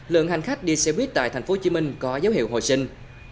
lượng hành khách đi xe buýt tại thành phố hồ chí minh có dấu hiệu hồi sinh